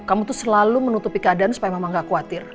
kamu tuh selalu menutupi keadaan supaya mama ga khawatir